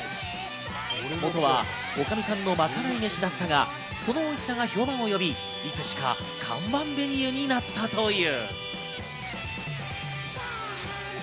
元は女将さんのまかない飯だったがそのおいしさが評判を呼び、いつしか看板メニューになったという。